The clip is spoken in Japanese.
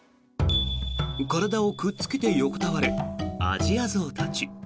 体をくっつけて横たわるアジアゾウたち。